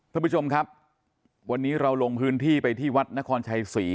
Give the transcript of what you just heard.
ท่านผู้ชมครับวันนี้เราลงพื้นที่ไปที่วัดนครชัยศรี